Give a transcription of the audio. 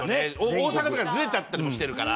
大阪とかずれちゃったりもしてるから。